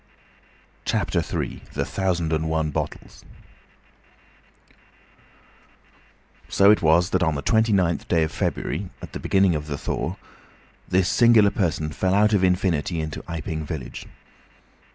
CHAPTER III. THE THOUSAND AND ONE BOTTLES So it was that on the twenty ninth day of February, at the beginning of the thaw, this singular person fell out of infinity into Iping village.